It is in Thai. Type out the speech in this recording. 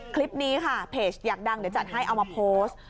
คลิปนี้ค่ะเพจอยากดังเดี๋ยวจัดให้เอามาโพสต์